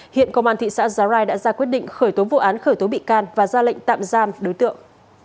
hiện công an thị xã giá rai đã ra quyết định khởi tố vụ án khởi tố bị can và ra lệnh tạm giam đối tượng